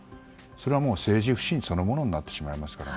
それはもう政治不信そのものになってしまいますから。